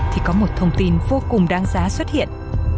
thì có một thông tin vô cùng đáng giá xuất hiện